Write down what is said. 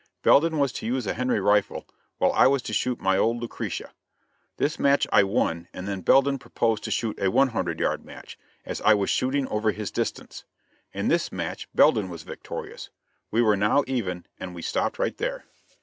Belden was to use a Henry rifle, while I was to shoot my old "Lucretia." This match I won and then Belden proposed to shoot a one hundred yard match, as I was shooting over his distance. In this match Belden was victorious. We were now even, and we stopped right there.